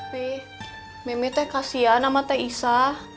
be mbak be kasihan dengan t isa